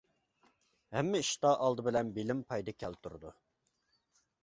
ھەممە ئىشتا ئالدى بىلەن بىلىم پايدا كەلتۈرىدۇ.